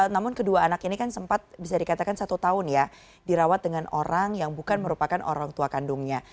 namun kedua anak ini kan sempat bisa dikatakan satu tahun ya dirawat dengan orang yang bukan merupakan orang tua kandungnya